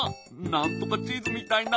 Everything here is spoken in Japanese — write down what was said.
なんとかチーズみたいな。